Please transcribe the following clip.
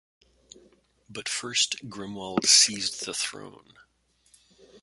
But first, Grimoald seized the throne.